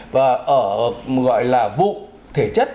và ở gọi là vụ thể chất